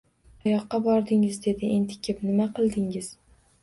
Qayoqqa bordingiz? – dedi entikib. – Nima qildingiz?